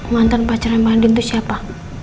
nganten pacarnya mbak andin itu siapa